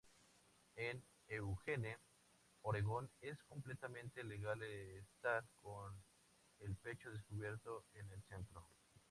En Eugene, Oregón es completamente legal estar con el pecho descubierto en el centro.